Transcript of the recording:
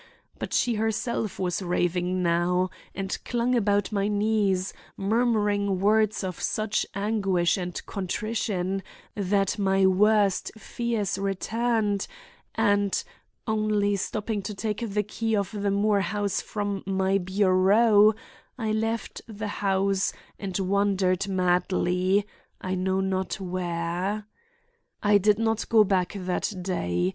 But she herself was raving now, and clung about my knees, murmuring words of such anguish and contrition that my worst fears returned and, only stopping to take the key of the Moore house from my bureau, I left the house and wandered madly—I know not where. "I did not go back that day.